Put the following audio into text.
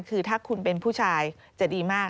คือถ้าคุณเป็นผู้ชายจะดีมาก